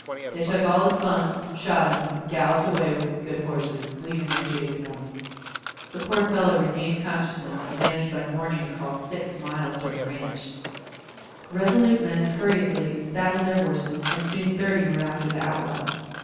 They took all his funds, shot him, and galloped away with his good horses, leaving their jaded ones. The poor fellow regained consciousness, and managed by morning to crawl six miles to a ranch. Resolute men hurriedly saddled their horses, and soon thirty were after the outlaws.